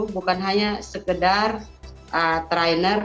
bukan hanya sekedar trainer